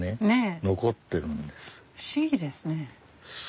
不思議ですね。